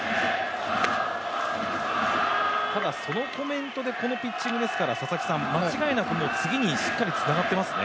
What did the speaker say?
ただそのコメントでこのピッチングですから、間違いなく次にしっかりつながってますね。